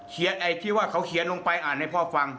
ไอ้ที่ว่าเขาเขียนลงไปอ่านให้พ่อฟัง